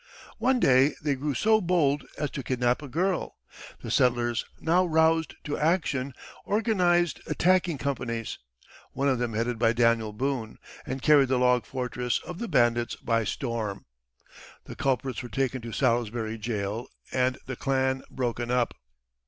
One day they grew so bold as to kidnap a girl. The settlers, now roused to action, organized attacking companies, one of them headed by Daniel Boone, and carried the log fortress of the bandits by storm. The culprits were taken to Salisbury jail and the clan broken up.